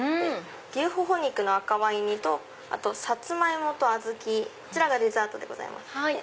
牛頬肉の赤ワイン煮とあとサツマイモとアズキこちらデザートでございます。